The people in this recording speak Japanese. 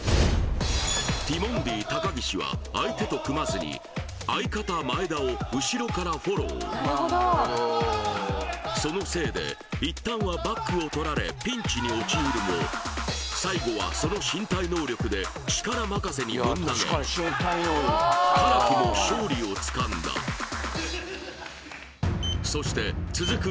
ティモンディ高岸は相手と組まずに相方前田を後ろからフォローそのせいでいったんはバックをとられピンチに陥るも最後はその身体能力で力任せにぶん投げからくも勝利をつかんだそして続く